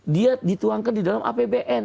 dia dituangkan di dalam apbn